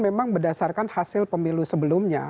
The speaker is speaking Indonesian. memang berdasarkan hasil pemilu sebelumnya